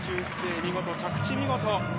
見事、着地見事。